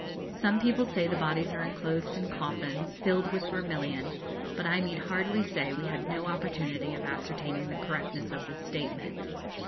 Some people say the bodies are enclosed in coffins, filled with vermilion, but I need hardly say we had no opportunity of ascertaining the correctness of this statement.